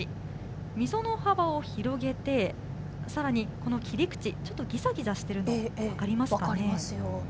溝の幅を広げて、さらにこの切り口、ちょっとぎざぎざしているの分かりますかね。